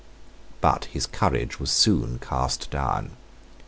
But his courage was soon cast down.